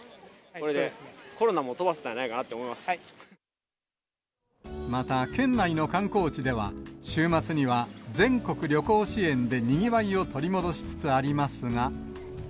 これでコロナも飛ばせたんじまた、県内の観光地では、週末には全国旅行支援でにぎわいを取り戻しつつありますが。